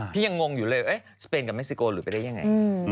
ยังงงอยู่เลยสเปนกับเม็กซิโกหรือไปได้ยังไง